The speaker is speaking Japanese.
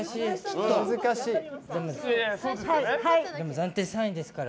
暫定３位ですから。